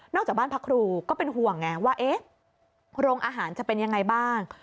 นอกจากบ้านพักครูก็เป็นห่วงว่าโรงอาหารจะเป็นอย่างไรบ้าง